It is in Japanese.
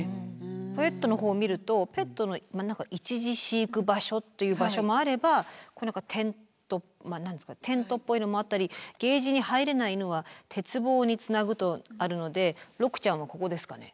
ペットの方を見ると「ペットの一時飼育場所」という場所もあればこれ何かテント何ですかテントっぽいのもあったり「ケージに入れない犬は鉄棒につなぐ」とあるのでろくちゃんはここですかね。